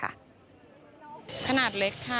ราคาประมาณไหน